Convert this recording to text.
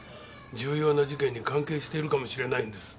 重要な事件に関係しているかもしれないんです。